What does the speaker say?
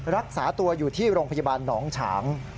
รักษาตัวอยู่ที่โรงพยาบาลหนองฉาง